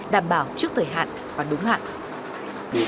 đảm bảo trước thời hạn và đúng hạn